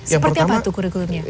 seperti apa itu kurikulumnya